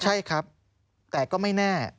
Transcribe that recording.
ใช่ครับแต่ก็ไม่แน่